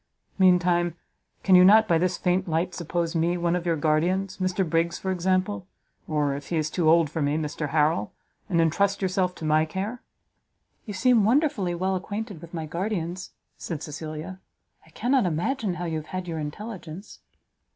Meantime, can you not, by this faint light, suppose me one of your guardians, Mr Briggs, for example, or, if he is too old for me, Mr Harrel, and entrust yourself to my care?" "You seem wonderfully well acquainted with my guardians," said Cecilia; "I cannot imagine how you have had your intelligence."